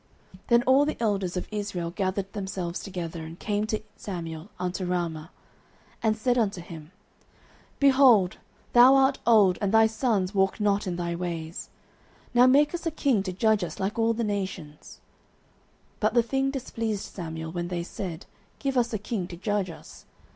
09:008:004 Then all the elders of Israel gathered themselves together, and came to Samuel unto Ramah, 09:008:005 And said unto him, Behold, thou art old, and thy sons walk not in thy ways: now make us a king to judge us like all the nations. 09:008:006 But the thing displeased Samuel, when they said, Give us a king to judge us.